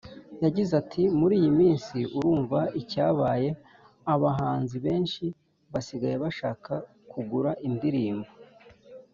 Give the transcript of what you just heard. yagize ati "muri iyi minsi urumva icyabaye abahanzi benshi basigaye bashaka kugura indirimbo